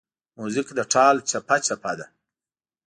موزیک د ټال چپهچپه ده.